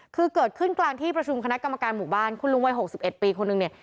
คือเกิดขึ้นกลางที่ประชุมคณะกรรมการหมู่บ้านคุณลุงวัย๖๑ปีคนนึงเนี่ย